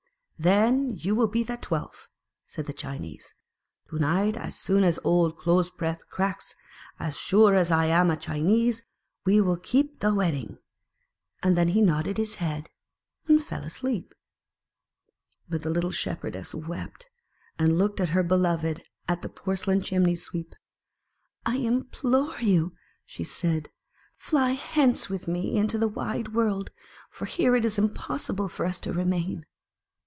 a Then you may be the twelfth," said the Chinese. " To night, as soon as the old clothes press cracks, as sure as I am a 108 ttj? Chinese, we will keep the wedding. And then he nodded his head, and fell asleep. But the little Shepherdess wept, and looked at her beloved at the porcelain Chimney sweep. "I implore you," said she, "fly hence with me into the wide world : for here it is impossible for us to remain."